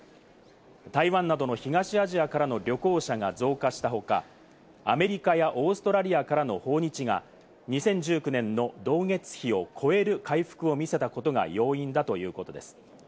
台湾などの東アジアからの旅行者が増加した他、アメリカやオーストラリアからの訪日が２０１９年の同月比を超える回復を見せたことが要因だということです。